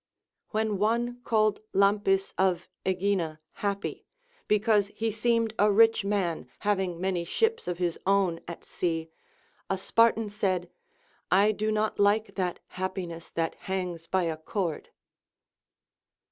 When one called Lampis of Aegina happy, because he seemed a rich man, having many ships of his own at sea, a Spartan said, I do not like that happiness that hangs by LACONIC APOPHTHEGMS. 437 a cord.